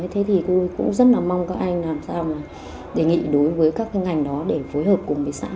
thế thì cũng rất là mong các anh làm sao mà đề nghị đối với các cái ngành đó để phối hợp cùng với xã